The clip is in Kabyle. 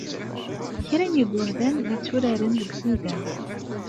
Kra n yigerdan la tturaren deg tuga.